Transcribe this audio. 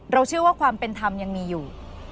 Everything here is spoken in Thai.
เชื่อว่าความเป็นธรรมยังมีอยู่